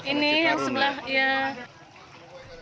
ini yang sebelah